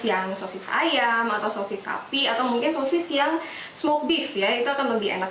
yang sosis ayam atau sosis sapi atau mungkin sosis yang smoke beef ya itu akan lebih enak